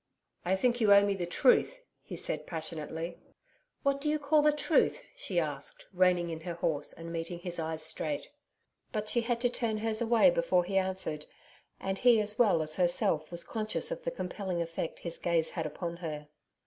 'I think you owe me the truth!' he said, passionately. 'What do you call the truth?' she asked, reining in her horse and meeting his eyes straight. But she had to turn hers away before he answered, and he as well as herself was conscious of the compelling effect his gaze had upon her.